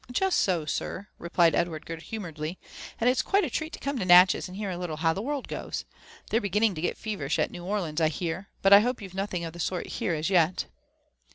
^'Justao, sir,'' replied Edward good humouredly ; ''and it's quite a inoAt to eome to Natchez and hear a little how the world goes. They're begtnning to get feverish at New Orleans, I hear ; but I hope you've nothing of the sort here as yet?"